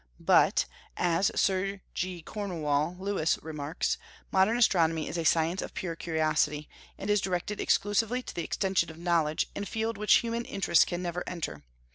"But," as Sir G. Cornewall Lewis remarks, "modern astronomy is a science of pure curiosity, and is directed exclusively to the extension of knowledge in a field which human interests can never enter.